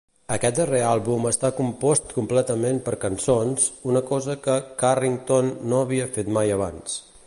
Aquest darrer àlbum està compost completament per cançons, una cosa que Carrington no havia fet mai abans.